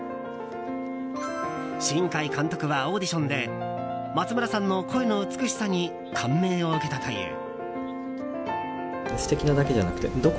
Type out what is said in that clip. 新海監督はオーディションで松村さんの声の美しさに感銘を受けたという。